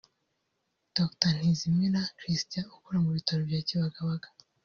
Dr Ntizimira Christian ukora mu bitaro bya Kibagabaga